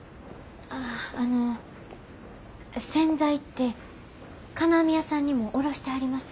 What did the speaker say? あああの線材って金網屋さんにも卸してはります？